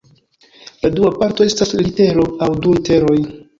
La dua parto estas litero aŭ du literoj.